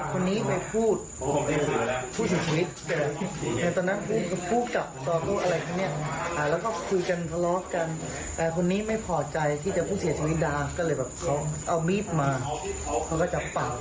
ก็เลยแบบเขาเอามีดมาเขาก็จะปากไปเลย